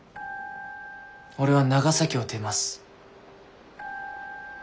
俺は長崎を出ます。